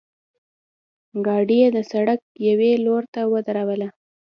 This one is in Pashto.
ګاډۍ یې د سړک یوې لورته ودروله.